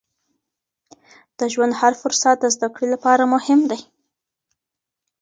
د ژوند هر فرصت د زده کړې لپاره مهم دی.